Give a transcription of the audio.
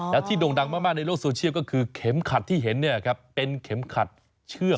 แล้วที่โด่งดังมากในโลกโซเชียลก็คือเข็มขัดที่เห็นเป็นเข็มขัดเชือก